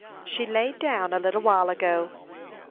"She laid down a little while ago."